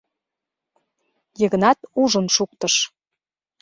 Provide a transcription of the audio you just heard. Йыгнат ужын шуктыш.